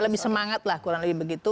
lebih semangat lah kurang lebih begitu